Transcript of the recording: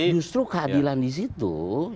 justru keadilan di situ